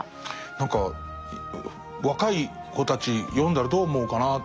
何か若い子たち読んだらどう思うかなっていう。